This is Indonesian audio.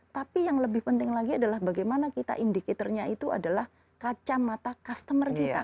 tapi yang lebih penting lagi adalah bagaimana kita indicatornya itu adalah kacamata customer kita